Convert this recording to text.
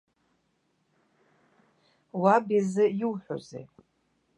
Уаб изы иуҳәозеи?